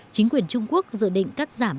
chính quyền trung quốc dự định cắt giảm